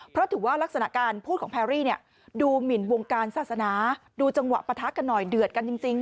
เพราะถือว่ารักษณะการพูดของแพรรี่ดูหมินวงการศาสนาดูจังหวะปะทะกันหน่อยเดือดกันจริง